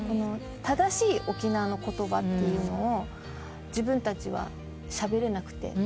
正しい沖縄の言葉っていうのを自分たちはしゃべれなくて。